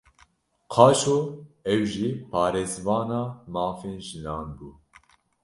Qaşo ew jî parêzvana mafên jinan bû